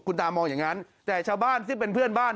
ตามองอย่างนั้นแต่ชาวบ้านซึ่งเป็นเพื่อนบ้าน